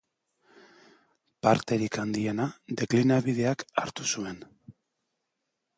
Parterik handiena deklinabideak hartu zuen.